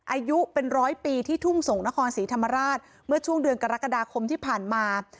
อายุเป็นร้อยปีที่ทุ่งส่งนครศรีธรรมราชเมื่อช่วงเดือนกรกฎาคมที่ผ่านมา